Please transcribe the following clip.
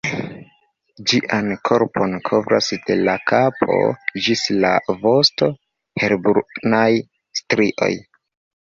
Ĝian korpon kovras de la kapo ĝis la vosto helbrunaj strioj.